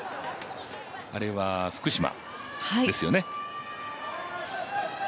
あれは福島ですよね。